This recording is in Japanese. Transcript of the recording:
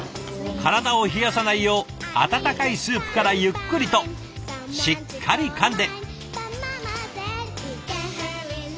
体を冷やさないよう温かいスープからゆっくりとしっかりかんで。